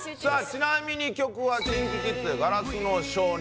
ちなみに曲はＫｉｎＫｉＫｉｄｓで「硝子の少年」